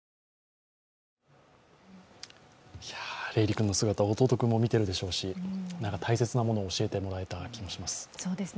怜龍君の姿弟君も見ているでしょうし大切なものを教えてもらえた気もします。